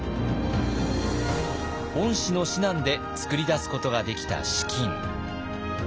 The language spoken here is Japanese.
御師の指南で作り出すことができた資金。